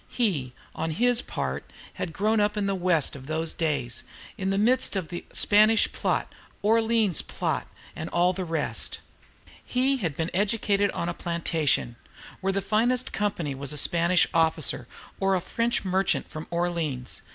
He, on his part, had grown up in the West of those days, in the midst of "Spanish plot," "Orleans plot," and all the rest. He had been educated on a plantation where the finest company was a Spanish officer or a French merchant from Orleans.